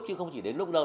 chứ không chỉ đến lúc đâu